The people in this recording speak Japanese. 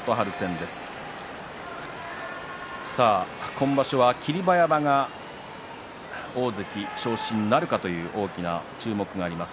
今場所は霧馬山が大関昇進なるかという大きな注目があります。